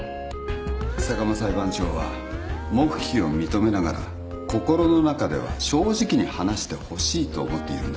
坂間裁判長は黙秘を認めながら心の中では「正直に話してほしい」と思っているんです。